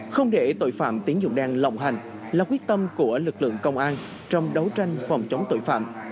không để tội phạm tín dụng đen lộng hành là quyết tâm của lực lượng công an trong đấu tranh phòng chống tội phạm